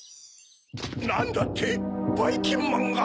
なんだって⁉ばいきんまんが？